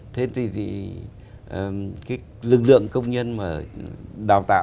thế thì lực lượng công nhân mà